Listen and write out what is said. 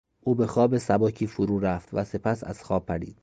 او به خواب سبکی فرو رفت و سپس از خواب پرید.